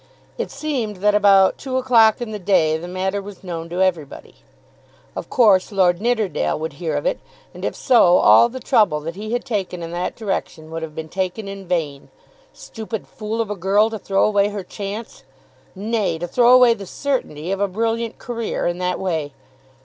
It seemed that about two o'clock in the day the matter was known to everybody. Of course Lord Nidderdale would hear of it, and if so all the trouble that he had taken in that direction would have been taken in vain. Stupid fool of a girl to throw away her chance, nay, to throw away the certainty of a brilliant career, in that way!